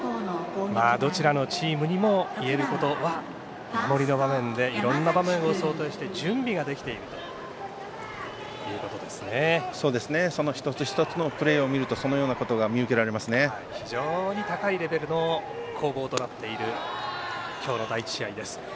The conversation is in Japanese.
どちらのチームにもいえることは守りの場面でいろんな場面を想定して準備ができているその一つ一つのプレーを見るとそのようなことが非常に高いレベルの攻防となっている今日の第１試合です。